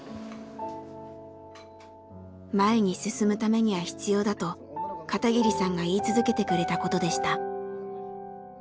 前に進むためには必要だと片桐さんが言い続けてくれたことでした。